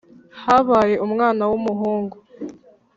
Habaye umwana w’umuhungu